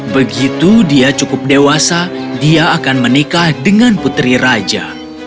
begitu dia cukup dewasa dia akan menikah dengan putri raja